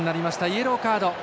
イエローカード。